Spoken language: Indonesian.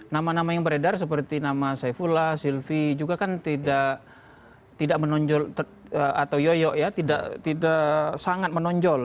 nama nama yang beredar seperti nama saifullah sylvi juga kan tidak menonjol atau yoyok ya tidak sangat menonjol